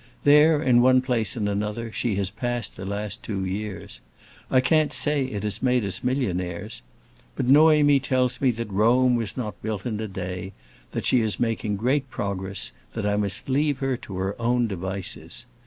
There in one place and another, she has passed the last two years; I can't say it has made us millionaires. But Noémie tells me that Rome was not built in a day, that she is making great progress, that I must leave her to her own devices.